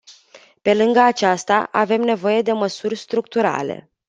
Pe lângă aceasta, avem nevoie de măsuri structurale.